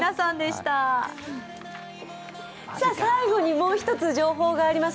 最後にもう１つ情報があります。